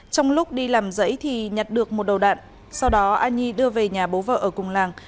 trong lúc đi làm dãy thì nhặt được một đầu đạn sau đó a nhi đưa về nhà bố vợ ở cùng làng